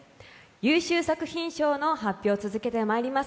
優秀作品賞の発表を続けてまいります。